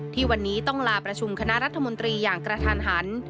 ที่วันนี้ต้องลาประชุมคณะรัฐมนตรีอย่างกระทันหัน